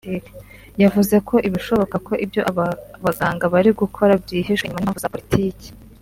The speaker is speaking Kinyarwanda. yavuze ko bishoboka ko ibyo aba baganga bari gukora byihishwe inyuma n’impamvu za politiki